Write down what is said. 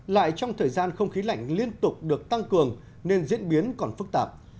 lại trong thời gian không khí lạnh liên tục được tăng cường nên diễn biến còn phức tạp